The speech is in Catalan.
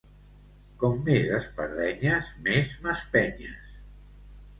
Com més espardenyes, més m'espenyes.